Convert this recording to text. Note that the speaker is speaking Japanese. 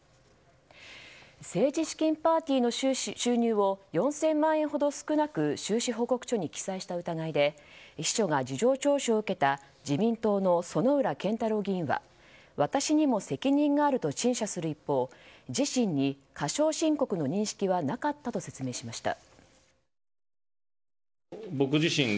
政治資金パーティーの収入を４０００万円ほど少なく収支報告書に記載した疑いで秘書が事情聴取を受けた自民党の薗浦健太郎議員は私にも責任があると陳謝する一方自身に過少申告の認識はなかったと説明しました。